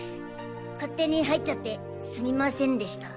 勝手に入っちゃってすみませんでした。